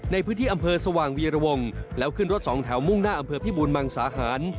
ในพื้นที่อำเภอสว่างวีรวงแล้วขึ้นรถสองแถวมุ่งหน้าอำเภอพิบูรมังสาหาร